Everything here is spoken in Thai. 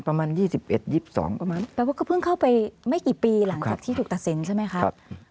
แปลว่าก็เพิ่งเข้าไปไม่กี่ปีหลังจากที่ถูกตัดสินใช่ไหมครับ